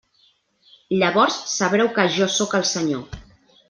Llavors sabreu que jo sóc el Senyor.